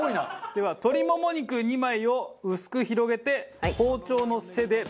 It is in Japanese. では鶏もも肉２枚を薄く広げて包丁の背でバシバシたたきます。